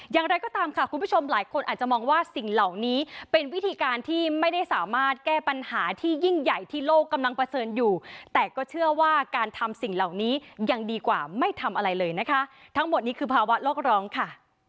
อย่างไรก็ตามค่ะคุณผู้ชมหลายคนอาจจะมองว่าสิ่งเหล่านี้เป็นวิธีการที่ไม่ได้สามารถแก้ปัญหาที่ยิ่งใหญ่ที่โลกกำลังเผชิญอยู่แต่ก็เชื่อว่าการทำสิ่งเหล่านี้ยังดีกว่าไม่ทำอะไรเลยนะคะทั้งหมดนี้คือภาวะโลกร้องค่ะ